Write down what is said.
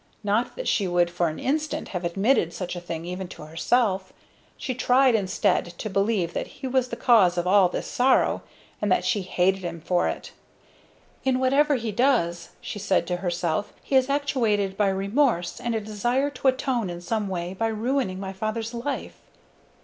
Not that she would for an instant have admitted such a thing even to herself. She tried instead to believe that he was the cause of all this sorrow, and that she hated him for it. "In whatever he does," she said to herself, "he is actuated by remorse, and a desire to atone in some way for ruining my father's life."